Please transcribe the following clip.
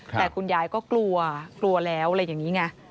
แต่คุณยายก็กลัวกลัวแล้วอะไรอย่างนี้ไง